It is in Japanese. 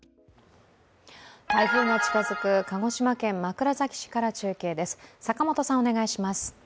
台風が近づく鹿児島県枕崎市から中継です。